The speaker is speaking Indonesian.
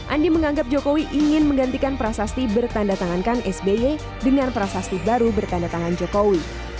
andi menganggap jokowi ingin menggantikan prasasti bertandatangankan sby dengan prasasti baru bertandatangan jokowi